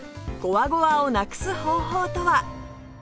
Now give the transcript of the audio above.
ゴワゴワを無くす方法とは？